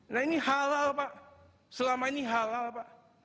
nah ini halal pak selama ini halal pak